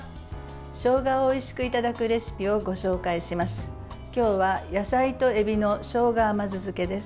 しょうがをおいしくいただくレシピをご紹介します。